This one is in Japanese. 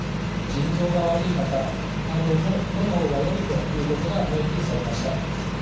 腎臓が悪い方などものむ方がよいということが明記されました。